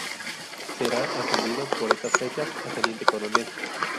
Será ascendido por estas fechas a teniente coronel.